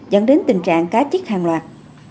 dẫn đến tình trạng cá chích hàng loạt